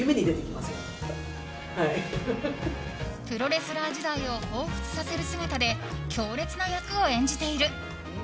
プロレスラー時代をほうふつさせる姿で強烈な役を演じている。